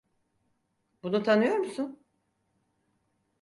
Bunu tanıyor musun?